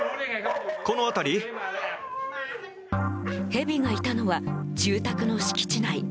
ヘビがいたのは住宅の敷地内。